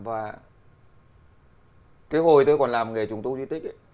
và cái hồi tôi còn làm nghề trùng tố di tích